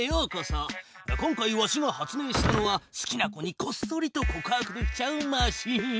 今回わしが発明したのは好きな子にこっそりと告白できちゃうマシン。